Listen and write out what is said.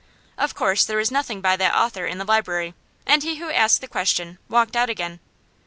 Of course there was nothing by that author in the library, and he who had asked the question walked out again.